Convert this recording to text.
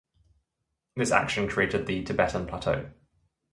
This action created the Tibetan Plateau.